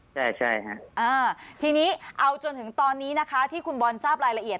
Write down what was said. ใช่ใช่ค่ะทีนี้เอาจนถึงตอนนี้นะคะที่คุณบอลทราบรายละเอียด